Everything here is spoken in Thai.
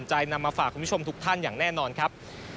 คุณผู้ชมทุกท่านอย่างแน่นอนครับ